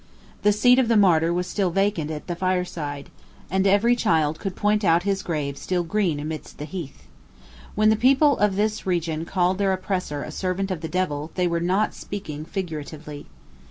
The seat of the martyr was still vacant at the fireside; and every child could point out his grave still green amidst the heath. When the people of this region called their oppressor a servant of the devil, they were not speaking figuratively.